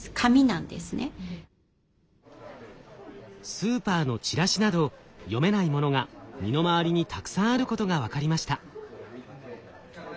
スーパーのチラシなど読めないものが身の回りにたくさんあることが分かりました。